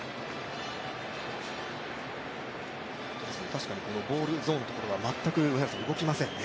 確かにボールゾーンのところ動きませんね。